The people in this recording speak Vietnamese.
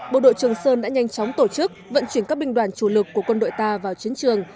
bộ đội trường sơn đã nhanh chóng tổ chức vận chuyển các binh đoàn chủ lực của quân đội ta vào chiến trường